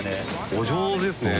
お上手ですね。